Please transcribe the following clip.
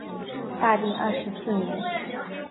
大定二十四年。